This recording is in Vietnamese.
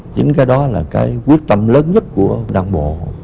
chính cái đó là cái quyết tâm lớn nhất của đảng bộ